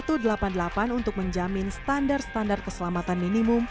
untuk menjamin standar standar keselamatan minimum